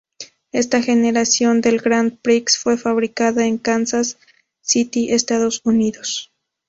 Esta generación del Grand Prix fue fabricada en Kansas City, Estados Unidos.